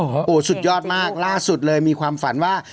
โอ้โหสุดยอดมากล่าสุดเลยมีความฝันว่า